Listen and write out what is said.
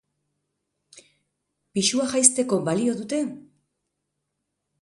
Pisua jaisteko balio dute?